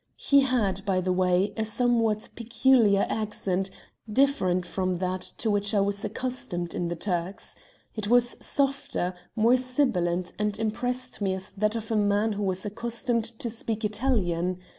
He had, by the way, a somewhat peculiar accent, different from that to which I was accustomed in the Turks. It was softer, more sibilant, and impressed me as that of a man who was accustomed to speak Italian.